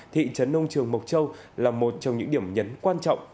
thị trấn nông trường mộc châu là một trong những điểm nhấn quan trọng